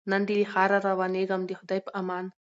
نن دي له ښاره روانېږمه د خدای په امان